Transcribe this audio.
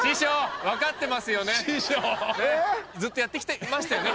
ずっとやってきてましたよね？